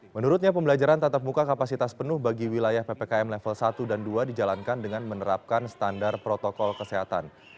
menurutnya pembelajaran tatap muka kapasitas penuh bagi wilayah ppkm level satu dan dua dijalankan dengan menerapkan standar protokol kesehatan